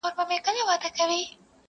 دا کمال دي د یوه جنګي نظر دی,